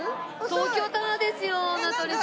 東京タワーですよ名取さん。